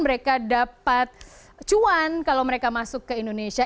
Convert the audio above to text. mereka dapat cuan kalau mereka masuk ke indonesia